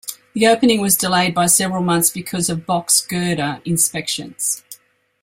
The opening was delayed by several months because of "box girder inspections".